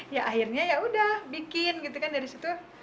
ya akhirnya yaudah bikin gitu kan dari situ